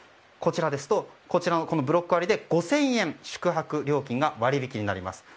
こちらですとブロック割で５０００円宿泊料金が割引になります。